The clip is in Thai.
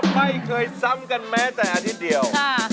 ไม่เคยซ้ำกันแม้แต่อาทิตย์เดียว